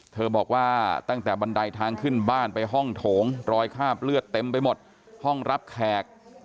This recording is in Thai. เธอบอกว่าตั้งแต่บันไดทางขึ้นบ้านไปห้องโถงรอยคาบเลือดเต็มไปหมดห้องรับแขก